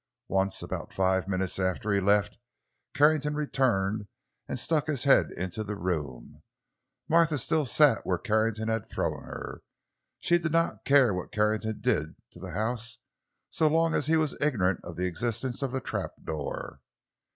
Once, about five minutes after he left, Carrington returned and stuck his head into the room. Martha still sat where Carrington had thrown her. She did not care what Carrington did to the house, so long as he was ignorant of the existence of the trap door.